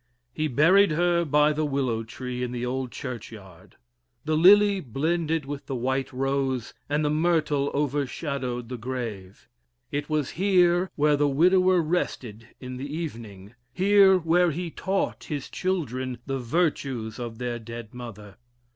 He buried her by the willow tree in the old churchyard. The lily blended with the white rose, and the myrtle overshadowed the grave. It was here where the widower rested in the evening here where he taught his children the virtues of their dead mother.